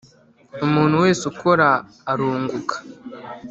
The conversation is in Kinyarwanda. Umuntu wese ukora arunguka.